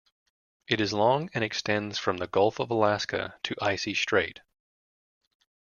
It is long and extends from the Gulf of Alaska to Icy Strait.